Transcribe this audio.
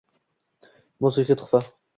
Musiqiy tuhfa